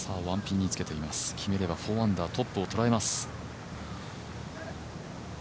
決めれば４アンダー、トップを捉えます。